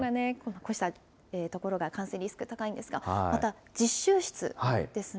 こうした所が感染リスク、高いんですが、また実習室ですね。